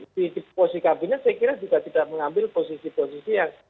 di posisi kabinet saya kira juga tidak mengambil posisi posisi yang